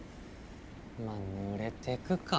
まあぬれて行くか。